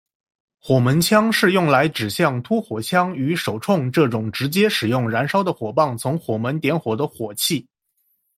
火门枪是用来指像突火枪与手铳这种直接使用燃烧的火棒从火门点火的火器。